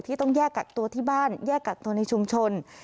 ต้องแยกกักตัวที่บ้านแยกกักตัวในชุมชน